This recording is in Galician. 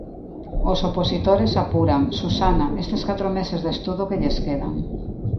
Os opositores apuran, Susana, estes catro meses de estudo que lles quedan...